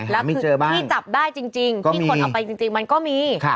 แล้วคือที่จับได้จริงที่คนเอาไปจริงมันก็มี